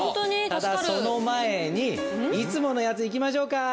ただその前にいつものやついきましょうか！